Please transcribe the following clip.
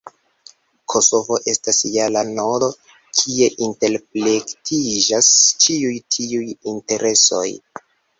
Kosovo estas ja la nodo, kie interplektiĝas ĉiuj tiuj interesoj.